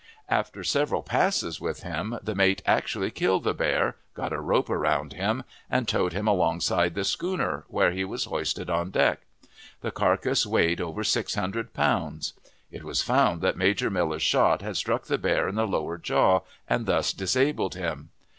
After several passes with him, the mate actually killed the bear, got a rope round him, and towed him alongside the schooner, where he was hoisted on deck. The carcass weighed over six hundred pounds. It was found that Major Miller's shot had struck the bear in the lower jaw, and thus disabled him.